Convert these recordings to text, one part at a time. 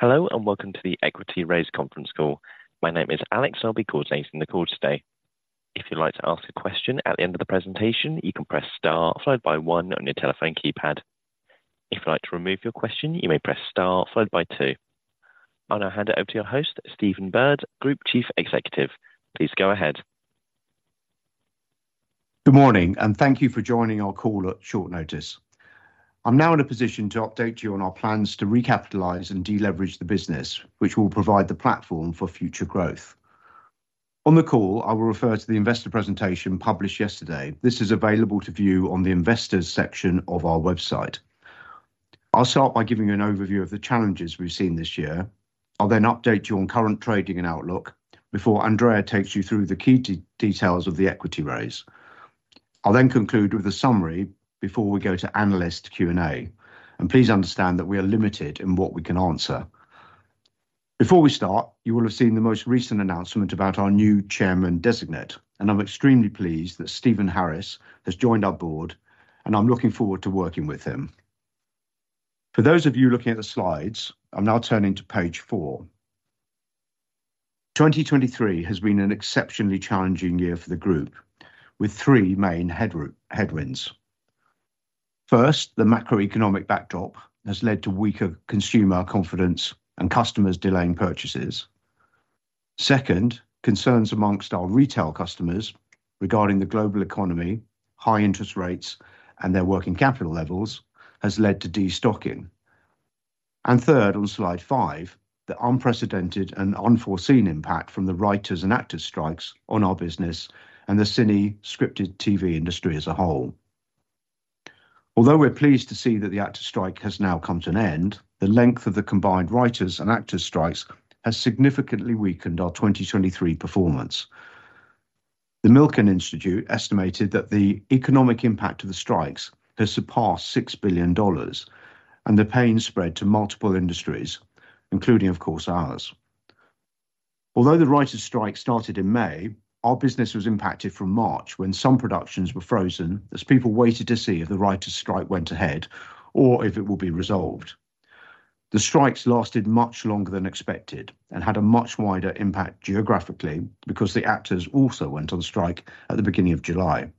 Hello, and welcome to the Equity Raise conference call. My name is Alex. I'll be coordinating the call today. If you'd like to ask a question at the end of the presentation, you can press star followed by one on your telephone keypad. If you'd like to remove your question, you may press star followed by two. I'll now hand it over to your host, Stephen Bird, Group Chief Executive. Please go ahead. Good morning, and thank you for joining our call at short notice. I'm now in a position to update you on our plans to recapitalize and deleverage the business, which will provide the platform for future growth. On the call, I will refer to the investor presentation published yesterday. This is available to view on the investors section of our website. I'll start by giving you an overview of the challenges we've seen this year. I'll then update you on current trading and outlook before Andrea takes you through the key details of the equity raise. I'll then conclude with a summary before we go to analyst Q&A, and please understand that we are limited in what we can answer. Before we start, you will have seen the most recent announcement about our new chairman designate, and I'm extremely pleased that Stephen Harris has joined our board, and I'm looking forward to working with him. For those of you looking at the slides, I'm now turning to Page 4. 2023 has been an exceptionally challenging year for the group, with three main headwinds. First, the macroeconomic backdrop has led to weaker consumer confidence and customers delaying purchases. Second, concerns amongst our retail customers regarding the global economy, high interest rates, and their working capital levels has led to destocking. And third, on Slide 5, the unprecedented and unforeseen impact from the writers and actors strikes on our business and the cine scripted TV industry as a whole. Although we're pleased to see that the actors strike has now come to an end, the length of the combined writers and actors strikes has significantly weakened our 2023 performance. The Milken Institute estimated that the economic impact of the strikes has surpassed $6 billion, and the pain spread to multiple industries, including, of course, ours. Although the writers strike started in May, our business was impacted from March, when some productions were frozen as people waited to see if the writers strike went ahead or if it will be resolved. The strikes lasted much longer than expected and had a much wider impact geographically because the actors also went on strike at the beginning of July.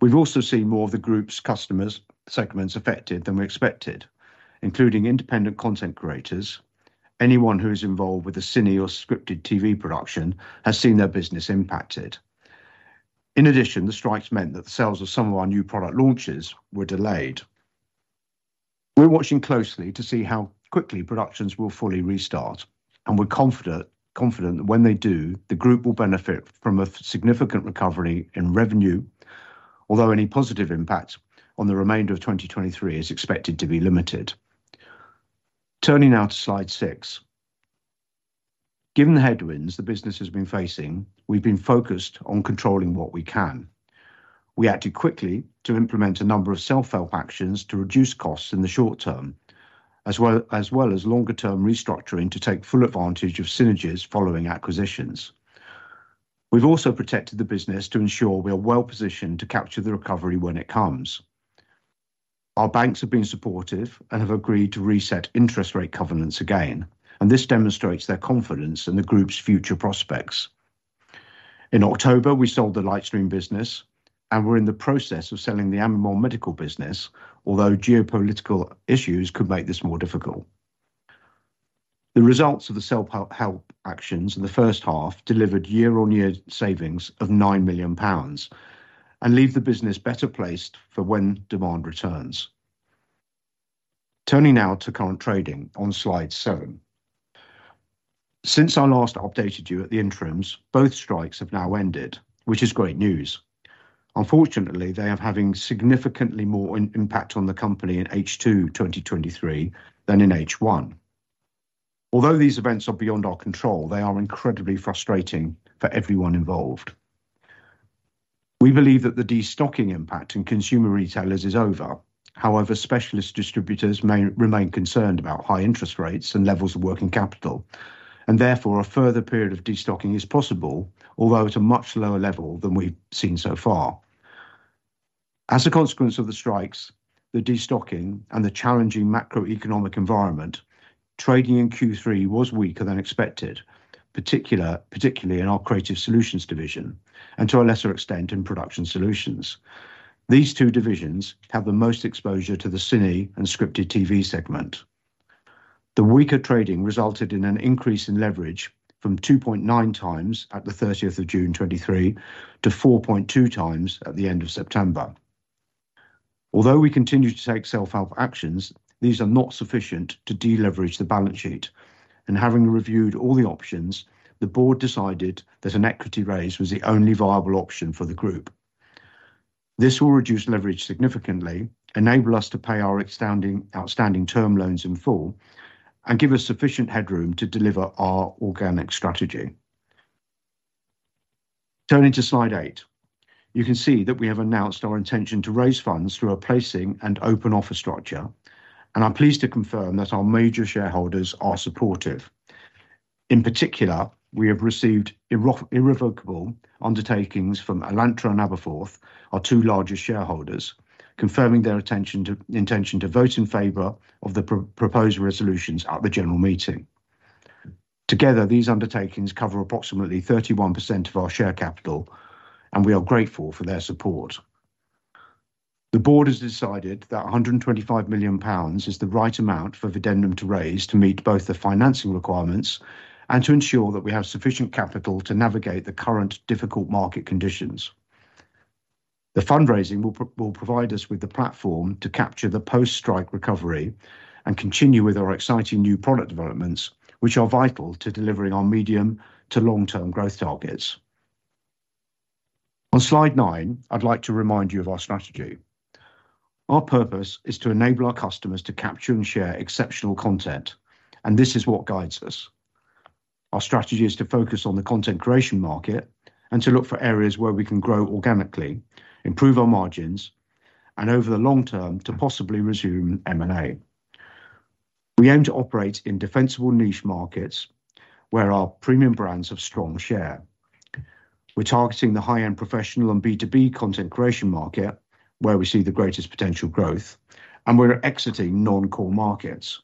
We've also seen more of the group's customer segments affected than we expected, including independent content creators. Anyone who is involved with the cine or scripted TV production has seen their business impacted. In addition, the strikes meant that the sales of some of our new product launches were delayed. We're watching closely to see how quickly productions will fully restart, and we're confident, confident that when they do, the group will benefit from a significant recovery in revenue, although any positive impact on the remainder of 2023 is expected to be limited. Turning now to Slide 6. Given the headwinds the business has been facing, we've been focused on controlling what we can. We acted quickly to implement a number of self-help actions to reduce costs in the short term, as well, as well as longer term restructuring to take full advantage of synergies following acquisitions. We've also protected the business to ensure we are well positioned to capture the recovery when it comes. Our banks have been supportive and have agreed to reset interest rate covenants again, and this demonstrates their confidence in the group's future prospects. In October, we sold the Lightstream business, and we're in the process of selling the Amimon Medical business, although geopolitical issues could make this more difficult. The results of the self-help actions in the first half delivered year-on-year savings of 9 million pounds and leave the business better placed for when demand returns. Turning now to current trading on Slide 7. Since I last updated you at the interims, both strikes have now ended, which is great news. Unfortunately, they are having significantly more impact on the company in H2 2023 than in H1. Although these events are beyond our control, they are incredibly frustrating for everyone involved. We believe that the destocking impact in consumer retailers is over. However, specialist distributors may remain concerned about high interest rates and levels of working capital, and therefore, a further period of destocking is possible, although at a much lower level than we've seen so far. As a consequence of the strikes, the destocking and the challenging macroeconomic environment, trading in Q3 was weaker than expected, particularly in our creative solutions division and to a lesser extent, in production solutions. These two divisions have the most exposure to the cine and scripted TV segment. The weaker trading resulted in an increase in leverage from 2.9 times at the 30th of June 2023, to 4.2 times at the end of September. Although we continue to take self-help actions, these are not sufficient to deleverage the balance sheet, and having reviewed all the options, the board decided that an equity raise was the only viable option for the group. This will reduce leverage significantly, enable us to pay our outstanding term loans in full, and give us sufficient headroom to deliver our organic strategy. Turning to Slide 8, you can see that we have announced our intention to raise funds through a placing and open offer structure, and I'm pleased to confirm that our major shareholders are supportive. In particular, we have received irrevocable undertakings from Alantra and Aberforth, our two largest shareholders, confirming their intention to vote in favor of the proposed resolutions at the general meeting. Together, these undertakings cover approximately 31% of our share capital, and we are grateful for their support. The board has decided that 125 million pounds is the right amount for Videndum to raise to meet both the financing requirements and to ensure that we have sufficient capital to navigate the current difficult market conditions. The fundraising will provide us with the platform to capture the post-strike recovery and continue with our exciting new product developments, which are vital to delivering our medium to long-term growth targets. On slide 9, I'd like to remind you of our strategy. Our purpose is to enable our customers to capture and share exceptional content, and this is what guides us. Our strategy is to focus on the content creation market and to look for areas where we can grow organically, improve our margins, and over the long term, to possibly resume M&A. We aim to operate in defensible niche markets where our premium brands have strong share. We're targeting the high-end professional and B2B content creation market, where we see the greatest potential growth, and we're exiting non-core markets.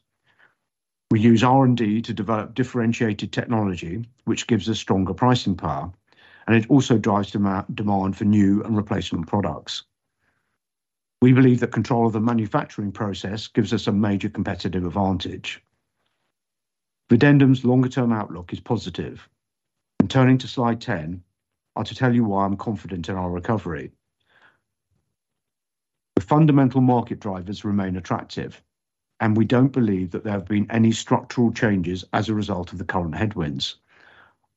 We use R&D to develop differentiated technology, which gives us stronger pricing power, and it also drives demand, demand for new and replacement products. We believe that control of the manufacturing process gives us a major competitive advantage. Videndum's longer term outlook is positive. And turning to Slide 10, I'll tell you why I'm confident in our recovery. The fundamental market drivers remain attractive, and we don't believe that there have been any structural changes as a result of the current headwinds.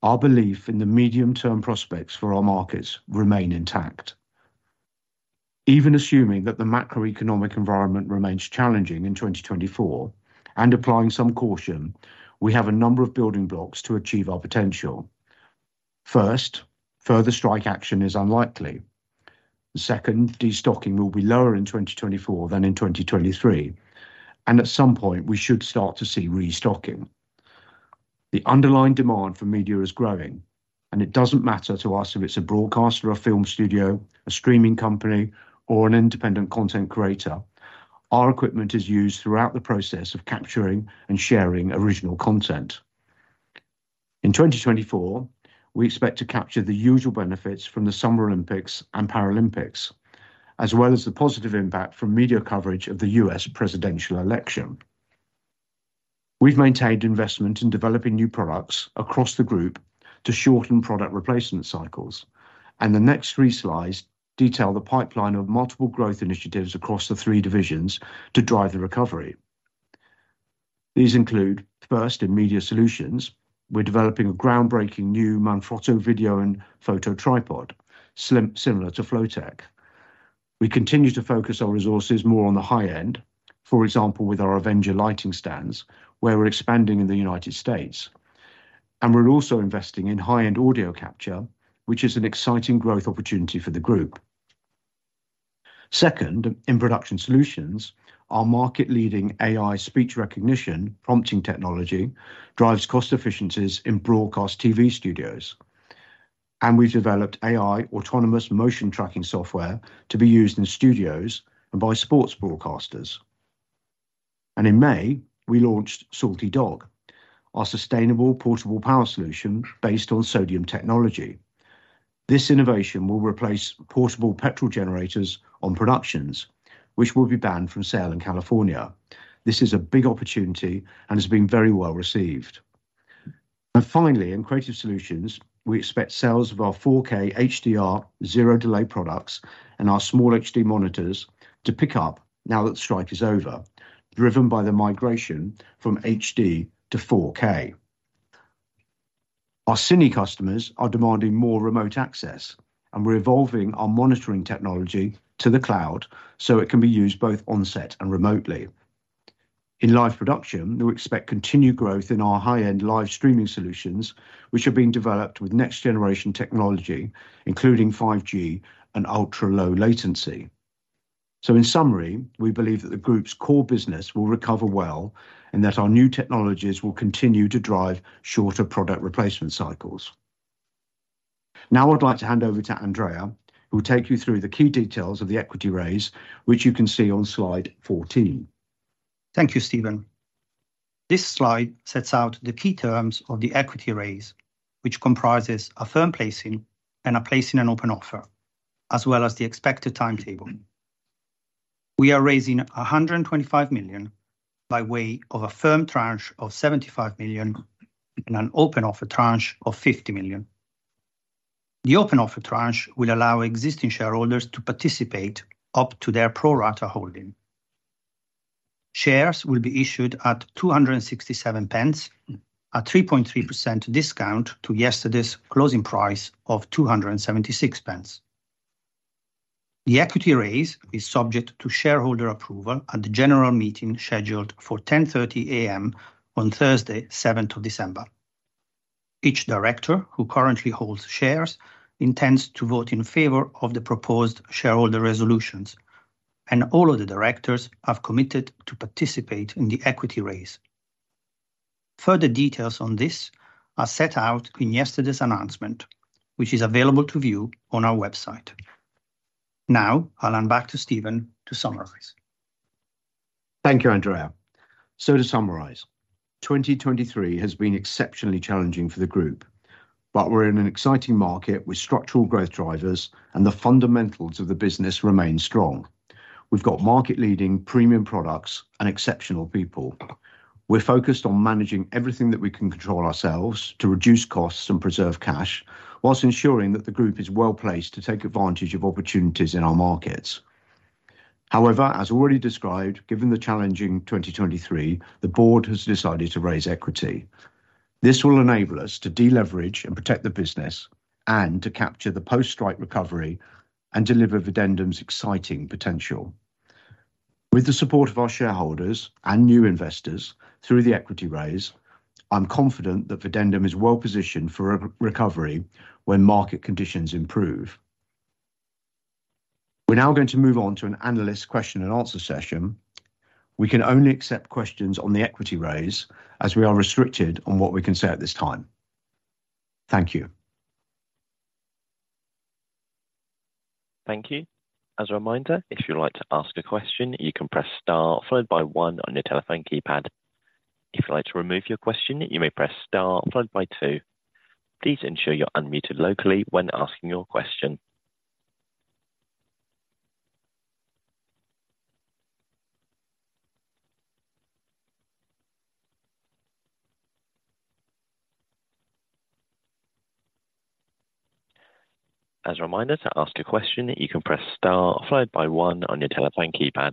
Our belief in the medium-term prospects for our markets remain intact. Even assuming that the macroeconomic environment remains challenging in 2024 and applying some caution, we have a number of building blocks to achieve our potential. First, further strike action is unlikely. Second, destocking will be lower in 2024 than in 2023, and at some point we should start to see restocking. The underlying demand for media is growing, and it doesn't matter to us if it's a broadcaster, a film studio, a streaming company, or an independent content creator. Our equipment is used throughout the process of capturing and sharing original content. In 2024, we expect to capture the usual benefits from the Summer Olympics and Paralympics, as well as the positive impact from media coverage of the U.S. presidential election. We've maintained investment in developing new products across the group to shorten product replacement cycles, and the next three slides detail the pipeline of multiple growth initiatives across the three divisions to drive the recovery. These include, first, in Media Solutions, we're developing a groundbreaking new Manfrotto video and photo tripod, slim, similar to flowtech. We continue to focus our resources more on the high end. For example, with our Avenger lighting stands, where we're expanding in the United States, and we're also investing in high-end audio capture, which is an exciting growth opportunity for the group. Second, in Production Solutions, our market leading AI speech recognition prompting technology drives cost efficiencies in broadcast TV studios, and we've developed AI autonomous motion tracking software to be used in studios and by sports broadcasters. In May, we launched Salt-E Dog, our sustainable portable power solution based on sodium technology. This innovation will replace portable petrol generators on productions, which will be banned from sale in California. This is a big opportunity and has been very well received. Finally, in Creative Solutions, we expect sales of our 4K HDR zero delay products and our SmallHD monitors to pick up now that the strike is over, driven by the migration from HD to 4K. Our cine customers are demanding more remote access, and we're evolving our monitoring technology to the cloud so it can be used both on set and remotely. In live production, we expect continued growth in our high-end live streaming solutions, which are being developed with next generation technology, including 5G and ultra-low latency. In summary, we believe that the group's core business will recover well and that our new technologies will continue to drive shorter product replacement cycles. Now I'd like to hand over to Andrea, who will take you through the key details of the equity raise, which you can see on Slide 14. Thank you, Stephen. This slide sets out the key terms of the equity raise, which comprises a firm placing and a placing in an open offer, as well as the expected timetable. We are raising 125 million by way of a firm tranche of 75 million and an open offer tranche of 50 million. The open offer tranche will allow existing shareholders to participate up to their pro rata holding. Shares will be issued at 2.67, a 3.3% discount to yesterday's closing price of 2.76. The equity raise is subject to shareholder approval at the general meeting, scheduled for 10:30 A.M. on Thursday, seventh of December. Each director who currently holds shares intends to vote in favor of the proposed shareholder resolutions... and all of the directors have committed to participate in the equity raise. Further details on this are set out in yesterday's announcement, which is available to view on our website. Now, I'll hand back to Stephen to summarize. Thank you, Andrea. To summarize, 2023 has been exceptionally challenging for the group, but we're in an exciting market with structural growth drivers, and the fundamentals of the business remain strong. We've got market-leading premium products and exceptional people. We're focused on managing everything that we can control ourselves to reduce costs and preserve cash, while ensuring that the group is well-placed to take advantage of opportunities in our markets. However, as already described, given the challenging 2023, the board has decided to raise equity. This will enable us to deleverage and protect the business and to capture the post-strike recovery and deliver Videndum's exciting potential. With the support of our shareholders and new investors through the equity raise, I'm confident that Videndum is well positioned for a recovery when market conditions improve. We're now going to move on to an analyst question and answer session. We can only accept questions on the equity raise, as we are restricted on what we can say at this time. Thank you. Thank you. As a reminder, if you'd like to ask a question, you can press star followed by one on your telephone keypad. If you'd like to remove your question, you may press star followed by two. Please ensure you're unmuted locally when asking your question. As a reminder, to ask a question, you can press star followed by one on your telephone keypad.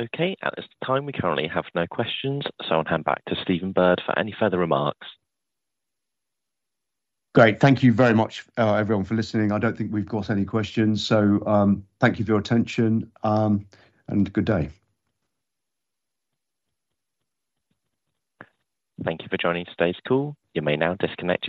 Okay. At this time, we currently have no questions, so I'll hand back to Stephen Bird for any further remarks. Great. Thank you very much, everyone, for listening. I don't think we've got any questions, so, thank you for your attention, and good day. Thank you for joining today's call. You may now disconnect.